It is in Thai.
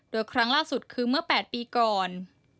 โดยครั้งล่าสุดคือเมื่อ๘ปีก่อน